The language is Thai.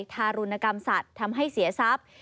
ทารุณกรรมสัตว์ทำให้เสียทรัพย์